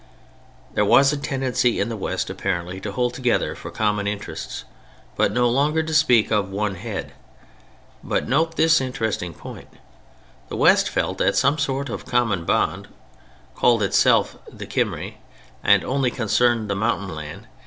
There was a tendency in the West apparently to hold together for common interests, but no longer to speak of one head. But note this interesting point. The West that felt some sort of common bond, called itself the Cymry, and only concerned the mountain land.